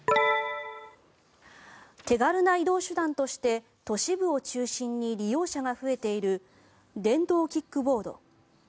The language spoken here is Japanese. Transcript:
手軽な移動手段として都市部を中心に利用者が増えている電動キックボード。